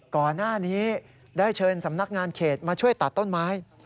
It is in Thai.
ก่อนหน้านี้ได้เชิญสำนักงานเขตมาช่วยตัดต้นไม้